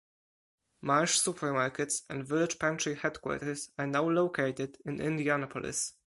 Marsh Supermarkets and Village Pantry headquarters are now located in Indianapolis.